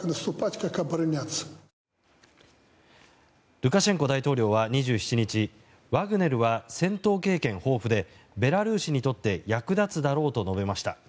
ルカシェンコ大統領は２７日ワグネルは戦闘経験豊富でベラルーシにとって役立つだろうと述べました。